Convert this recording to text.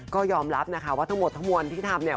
ก็ยอมรับนะคะว่าทั้งหมดทั้งมวลที่ทำเนี่ย